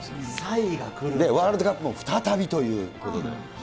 ワールドカップも再びということで。